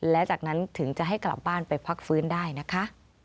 และจากนั้นถึงจะให้กลับบ้านไปพักฟื้นได้นะคะ